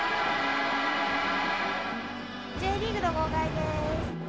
Ｊリーグの号外です。